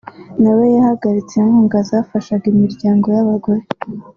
na we yahagaritse inkunga zafashaga imiryango y’abagore